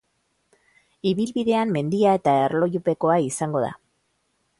Ibilbidean mendia eta erlojupekoa izango da.